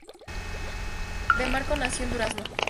Demarco nació en Durazno.